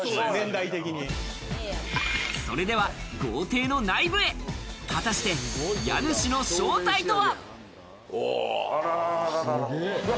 それでは豪邸の内部へ果たして家主の正体とは？